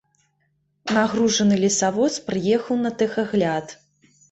Нягружаны лесавоз прыехаў на тэхагляд.